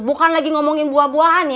bukan lagi ngomongin buah buahan